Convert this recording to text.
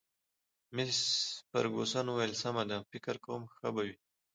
مس فرګوسن وویل: سمه ده، فکر کوم ښه به وي.